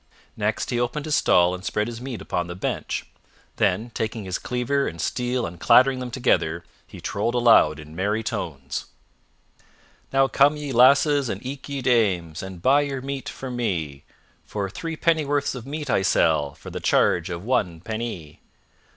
Next, he opened his stall and spread his meat upon the bench, then, taking his cleaver and steel and clattering them together, he trolled aloud in merry tones: (2) Stand for selling. "Now come, ye lasses, and eke ye dames, And buy your meat from me; For three pennyworths of meat I sell For the charge of one penny.